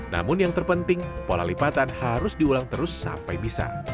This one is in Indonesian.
namun yang terpenting pola lipatan harus diulang terus sampai bisa